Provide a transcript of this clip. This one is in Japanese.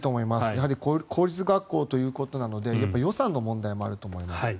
やはり公立学校ということなので予算の問題もあると思います。